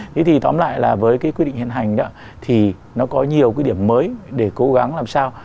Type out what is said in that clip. thế thì tóm lại là với cái quy định hiện hành đó thì nó có nhiều cái điểm mới để cố gắng làm sao